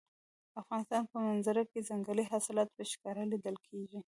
د افغانستان په منظره کې ځنګلي حاصلات په ښکاره لیدل کېږي.